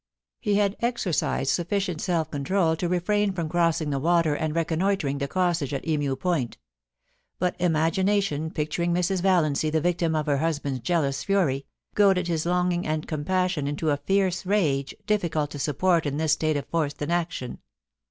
He had exercised sufficient self control to refrain from crossing the water and reconnoitring the cottage at Emu Point ; but imagination picturing Mrs. Valiancy the victim to her husband's jealous fury, goaded his longing and com passion into a fierce rage difficult to support in this state of forced inaction.